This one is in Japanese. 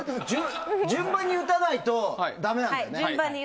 順番に打たないとダメなんですよね。